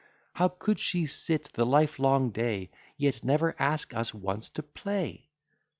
How could she sit the livelong day, Yet never ask us once to play?